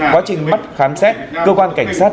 quá trình bắt khám xét cơ quan cảnh sát